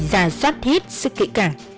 giả soát hết sức kỹ cảng